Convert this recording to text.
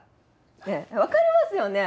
ねえ分かりますよね？